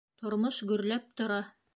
Тормош гөрләп тора.